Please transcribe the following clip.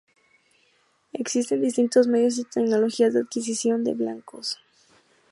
Existen distintos medios y tecnologías de adquisición de blancos.